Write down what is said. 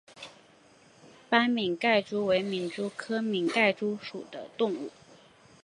斑皿盖蛛为皿蛛科皿盖蛛属的动物。